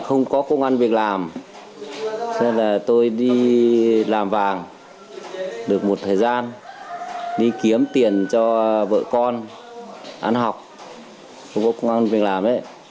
không có công an việc làm cho nên là tôi đi làm vàng được một thời gian đi kiếm tiền cho vợ con ăn học không có công an việc làm ấy